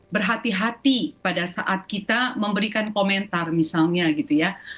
berhati hati pada saat kita memberikan komentar misalnya gitu ya